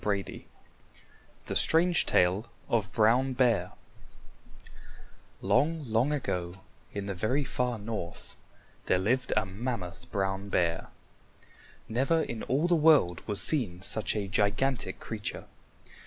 CHAPTER V THE STRANGE TALE OF BROWN BEAR Long, long ago, in the very far north, there lived a mammoth Brown Bear. Never in all the world was seen such a gigantic creature.